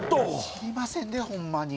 知りませんでホンマに。